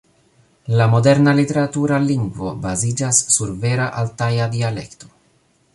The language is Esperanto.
La moderna literatura lingvo baziĝas sur vera altaja dialekto.